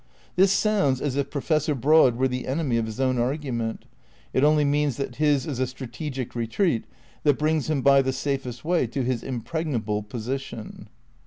This sounds as if Professor Broad were the enemy of his own argument; it only means that his is a strategic retreat that brings him by the safest way to his impregnable position.